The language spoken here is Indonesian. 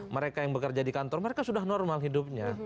mereka yang bekerja di kantor mereka sudah normal hidupnya